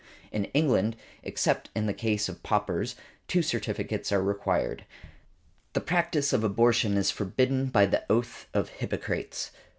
In England, except in the case of paupers, two certificates are required . The practice of abortion is forbidden by the oath of Hippocrates.